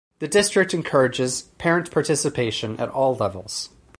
The district encourages parent participation at all levels.